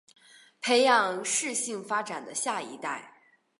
培养适性发展的下一代